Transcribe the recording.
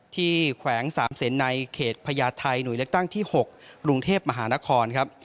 แขวง๓เซนในเขตพญาไทยหน่วยเลือกตั้งที่๖กรุงเทพมหานครครับ